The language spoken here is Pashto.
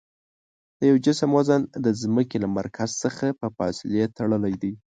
د یوه جسم وزن د ځمکې له مرکز څخه په فاصلې تړلی دی.